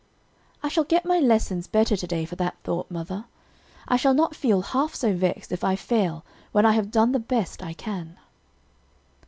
"I shall get my lessons better to day for that thought, mother. I shall not feel half so vexed if I fail when I have done the best I can."